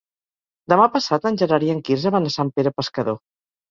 Demà passat en Gerard i en Quirze van a Sant Pere Pescador.